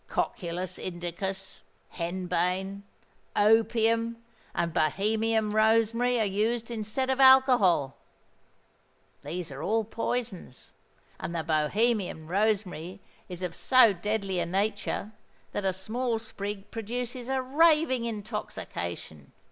Cocculus indicus, henbane, opium, and Bohemian rosemary are used instead of alcohol: these are all poisons; and the Bohemian rosemary is of so deadly a nature, that a small sprig produces a raving intoxication.